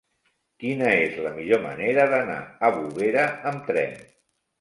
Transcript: Quina és la millor manera d'anar a Bovera amb tren?